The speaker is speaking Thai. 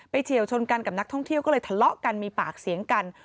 เฉียวชนกันกับนักท่องเที่ยวก็เลยทะเลาะกันมีปากเสียงกัน